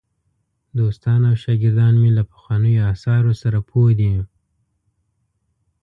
دوستان او شاګردان مې له پخوانیو آثارو سره پوه دي.